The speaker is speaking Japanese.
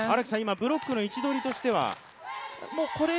ブロックの位置取りとしては？